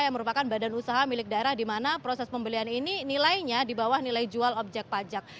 yang merupakan badan usaha milik daerah di mana proses pembelian ini nilainya di bawah nilai jual objek pajak